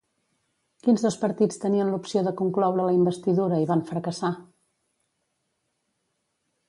Quins dos partits tenien l'opció de concloure la investidura i van fracassar?